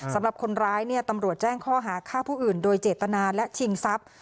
สำหรับคนร้ายเนี่ยตำรวจแจ้งข้อหาฆ่าผู้อื่นโดยเจตนาและชิงทรัพย์